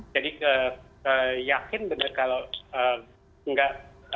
jadi yakin benar kalau tidak